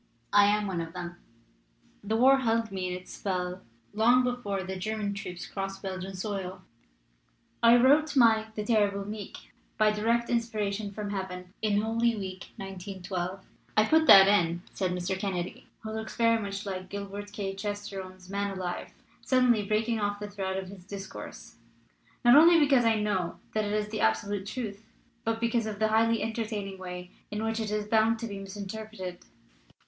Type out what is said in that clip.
I'm one of them. "The war held me in its spell long before the 290 HERESY OF SUPERMANISM German troops crossed Belgian soil. I wrote my The Terrible Meek by direct inspiration from heaven in Holy Week, 1912. "I put that in," said Mr. Kennedy (who looks very much like Gilbert K. Chesterton's Man alive), suddenly breaking off the thread of his discourse, "not only because I know that it is the absolute truth, but because of the highly enter taining way in which it is bound to be misin terpreted.